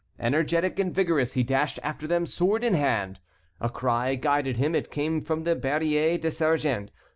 Energetic and vigorous, he dashed after them, sword in hand. A cry guided him; it came from the Barrier des Sergents.